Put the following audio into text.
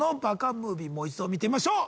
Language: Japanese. ムービーもう一度見てみましょう。